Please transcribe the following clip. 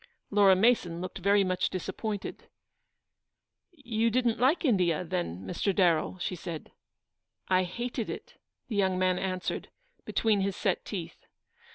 " Laura Mason looked very much disappointed. "You didn't like India, then, Mr. Darrell?" she said. " I hated it," the young man answered, between his set teeth.